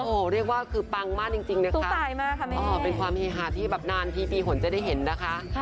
โอ้โหเรียกว่าคือปังมากจริงนะคะเป็นความเฮฮาที่แบบนานทีปีหนจะได้เห็นนะคะ